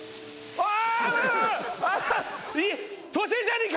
ああ！